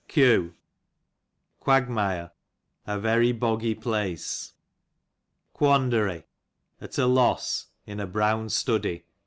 83 Q UAGMIRE, a very boggy IJiace. Quandary, at a lossy in a brown study.